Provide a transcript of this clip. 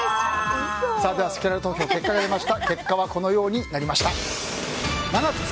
せきらら投票、結果が出ました。